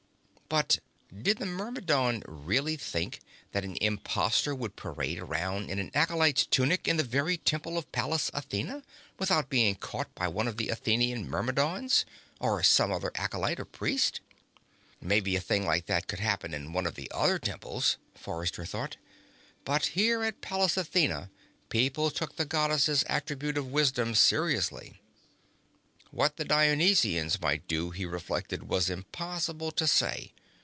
But did the Myrmidon really think that an imposter could parade around in an acolyte's tunic in the very Temple of Pallas Athena without being caught by one of the Athenan Myrmidons, or some other acolyte or priest? Maybe a thing like that could happen in one of the other Temples, Forrester thought. But here at Pallas Athena people took the Goddess's attribute of wisdom seriously. What the Dionysians might do, he reflected, was impossible to say.